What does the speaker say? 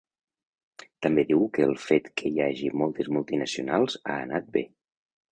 També diu que el fet que hi hagi moltes multinacionals ha anat bé.